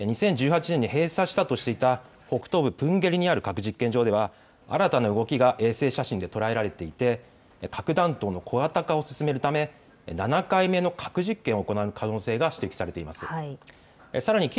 ２０１８年に閉鎖したとしていた北東部プンゲリにある核実験場では新たな動きが衛星写真で捉えられていて核弾頭の小型化を進めるため７回目の核実験を行う可能性が指摘されています。